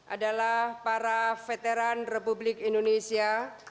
adalah para veteran republik indonesia